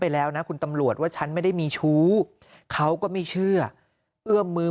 แล้วนะคุณตำรวจว่าฉันไม่ได้มีชู้เขาก็ไม่เชื่อเอื้อมมือ